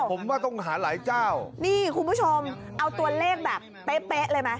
ผมว่าต้องหาหลายเจ้านี่คุณผู้ชมเอาตัวเลขแบบเป๊ะเป๊ะเลยไหม